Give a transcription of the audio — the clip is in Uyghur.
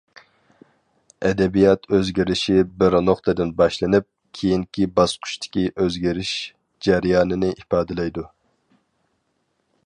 ئەدەبىيات ئۆزگىرىشى بىر نۇقتىدىن باشلىنىپ، كېيىنكى باسقۇچتىكى ئۆزگىرىش جەريانىنى ئىپادىلەيدۇ.